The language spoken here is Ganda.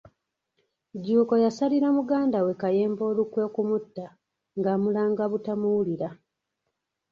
Jjuuko yasalira muganda we Kayemba olukwe okumutta, ng'amulanga obutamuwulira.